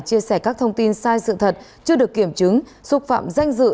chia sẻ các thông tin sai sự thật chưa được kiểm chứng xúc phạm danh dự